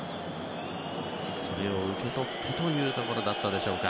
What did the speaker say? それを受け取ったというところだったでしょうか。